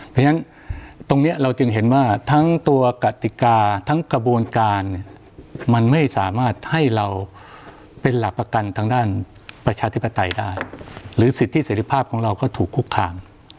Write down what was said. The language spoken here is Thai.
เพราะฉะนั้นตรงนี้เราจึงเห็นว่าทั้งตัวกติกาทั้งกระบวนการเนี่ยมันไม่สามารถให้เราเป็นหลักประกันทางด้านประชาธิปไตยได้หรือสิทธิเสร็จภาพของเราก็ถูกคุกคาม